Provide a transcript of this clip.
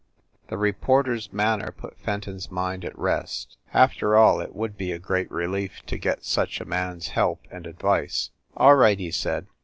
The reporter s manner put Fenton s mind at rest. After all, it would be a great relief to get such a man s help and advice. "All right," he said.